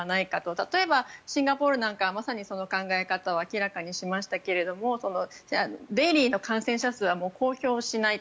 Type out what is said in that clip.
例えば、シンガポールなんかはまさにその考え方を明らかにしましたけどもデイリーの感染者数はもう公表しないと。